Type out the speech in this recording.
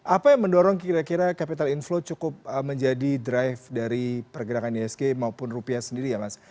apa yang mendorong kira kira capital inflow cukup menjadi drive dari pergerakan isg maupun rupiah sendiri ya mas